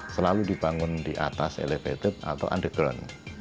selalu dibangun di atas elevated atau underground